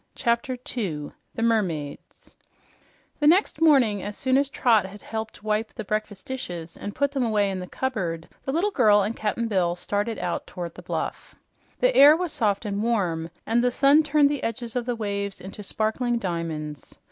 CHAPTER 2 THE MERMAIDS The next morning, as soon as Trot had helped wipe the breakfast dishes and put them away in the cupboard, the little girl and Cap'n Bill started out toward the bluff. The air was soft and warm and the sun turned the edges of the waves into sparkling diamonds.